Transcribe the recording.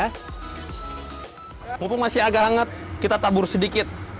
pupuk masih agak hangat kita tabur sedikit